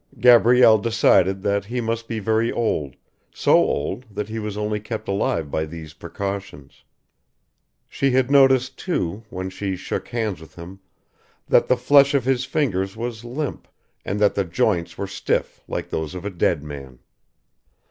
Gabrielle decided that he must be very old, so old that he was only kept alive by these precautions. She had noticed, too, when she shook hands with him that the flesh of his fingers was limp, and that the joints were stiff like those of a dead man.